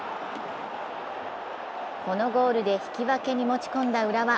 このゴールで引き分けに持ち込んだ浦和。